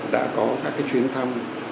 đã có các cái chuyến thăm